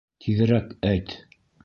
Тиҙерәк әйт.